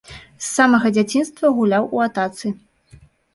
З самага дзяцінства гуляў у атацы.